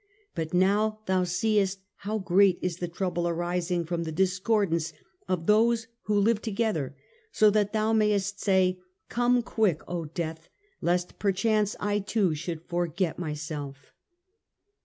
But now thou seest how great is the trouble arising from the dis cordance of those who live together, so that thou mayst say, Come quick, O death, lest perchance I too should forget myself.